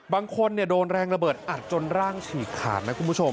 บางคนโดนแรงระเบิดอัดจนร่างฉีกขาดไหมคุณผู้ชม